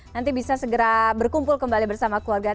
nanti bisa segera berkumpul kembali bersama keluarga